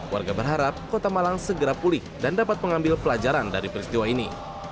warga berharap kota malang segera pulih dan dapat mengambil pelajaran dari peristiwa ini